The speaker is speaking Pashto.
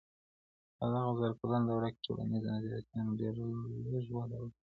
په دغه زر کلنه دوره کي ټولنيزو نظرياتو ډېره لږه وده وکړه.